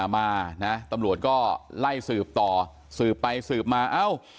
มานะตำรวจก็ไล่สืบต่อสืบไปสืบมาเอ้า